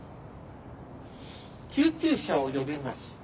救急車を呼びます。